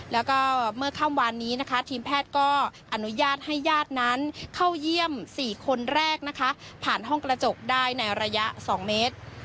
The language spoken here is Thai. แล้วก็เมื่อค่ำวานนี้นะคะทีมแพทย์ก็อนุญาตให้ญาตินั้นเข้าเยี่ยม๔คนแรกนะคะผ่านห้องกระจกได้ในระยะ๒เมตร